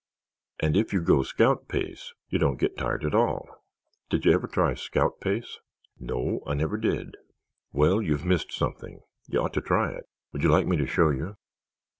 And if you go scout pace, you don't get tired at all. Did you ever try scout pace?" "No, I never did." "Well, you've missed something. You ought to try it. Would you like me to show you?"